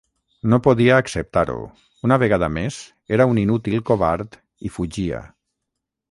No podia acceptar-ho, una vegada més era un inútil covard i fugia.